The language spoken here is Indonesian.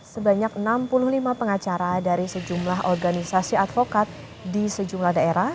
sebanyak enam puluh lima pengacara dari sejumlah organisasi advokat di sejumlah daerah